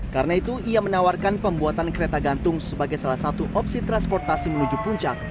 karena itu ia menawarkan pembuatan kereta gantung sebagai salah satu opsi transportasi menuju puncak